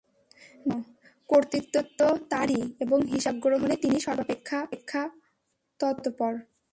দেখ, কর্তৃত্ব তো তাঁরই এবং হিসাব গ্রহণে তিনিই সর্বাপেক্ষা তৎপর।